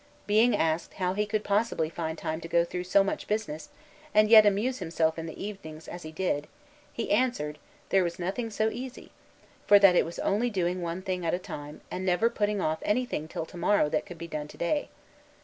Being asked how he could possibly find time to go through so much business, and yet amuse himself in the evenings as he did, he answered, there was nothing so easy; for that it was only doing one thing at a time, and never putting off anything till to morrow that could be done to day.